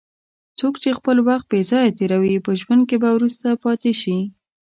څوک چې خپل وخت بې ځایه تېروي، په ژوند کې به وروسته پاتې شي.